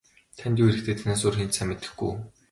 Танд юу хэрэгтэйг танаас өөр хэн ч сайн мэдэхгүй.